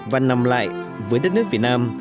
và nằm lại với đất nước việt nam